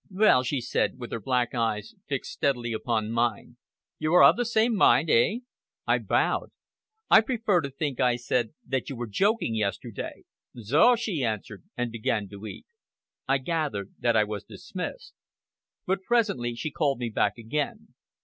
"Well," she said, with her black eyes fixed steadily upon mine, "you are of the same mind, eh?" I bowed. "I prefer to think," I said, "that you were joking yesterday." "So!" she answered, and began to eat. I gathered that I was dismissed. But presently she called me back again.